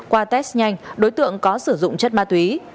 qua test nhanh đối tượng có sử dụng chất ma túy